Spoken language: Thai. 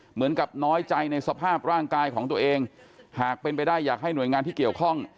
เหมือนกับน้อยใจในสภาพร่างกายของตัวเองหากเป็นไปได้อยากให้หน่วยงานที่เกี่ยวข้อง